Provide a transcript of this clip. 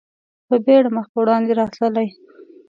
په بېړه مخ په وړاندې راتللې.